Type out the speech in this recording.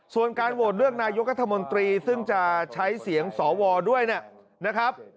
ส่วนการโหวตเลือกนายกรัฐมนตรีซึ่งจะใช้เสียงสวด้วยนะครับ